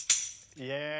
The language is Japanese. イエーイ。